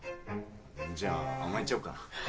じゃ甘えちゃおっかな。